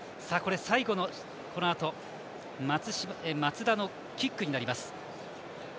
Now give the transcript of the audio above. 最後の松田のキックになります。